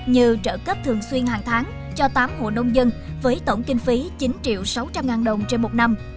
như trợ cấp thường xuyên hàng tháng cho tám hộ nông dân với tổng kinh phí chín sáu trăm linh ngàn đồng trên một năm